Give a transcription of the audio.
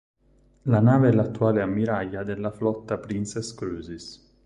La nave è l'attuale ammiraglia della flotta Princess Cruises.